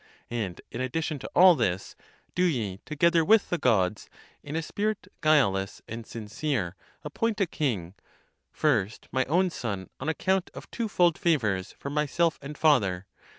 And in addition to all this, do ye together with the gods, in a spirit guileless and sincere, appoint a king; first my own son on account of two fold favours, from myself and father.